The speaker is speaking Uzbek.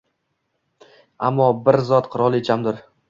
Ammo bir zot qirolichamdir!